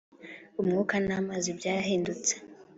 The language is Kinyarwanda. umwuka n'amazi byarahindutse,